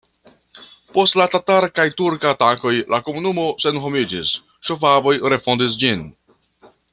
Post la tatara kaj turka atakoj la komunumo senhomiĝis, ŝvaboj refondis ĝin.